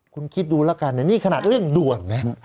คุณคิดดูแล้วกันนี่ขนาดเรื่องด่วนนะ